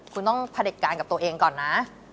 คุณต้องผลิตการกับตัวเองก่อนนะ